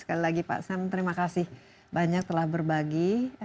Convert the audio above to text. sekali lagi pak sam terima kasih banyak telah berbagi